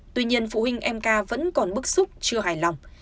tuy nhiên phụ huynh em ca vẫn còn bức xúc chưa hài lòng